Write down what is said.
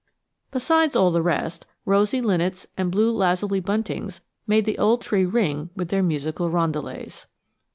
Besides all the rest, rosy linnets and blue lazuli buntings made the old tree ring with their musical roundelays.